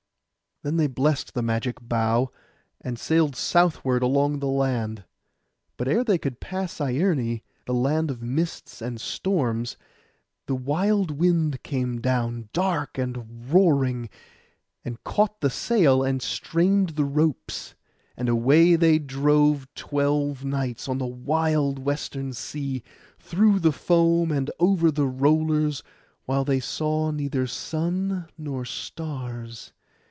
Then they blest the magic bough, and sailed southward along the land. But ere they could pass Ierne, the land of mists and storms, the wild wind came down, dark and roaring, and caught the sail, and strained the ropes. And away they drove twelve nights, on the wide wild western sea, through the foam, and over the rollers, while they saw neither sun nor stars.